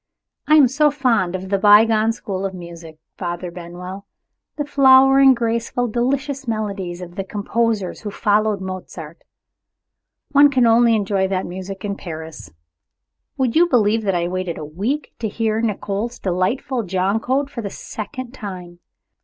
I am so fond of the bygone school of music, Father Benwell the flowing graceful delicious melodies of the composers who followed Mozart. One can only enjoy that music in Paris. Would you believe that I waited a week to hear Nicolo's delightful Joconde for the second time.